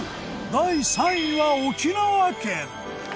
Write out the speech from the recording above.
第３位は沖縄県。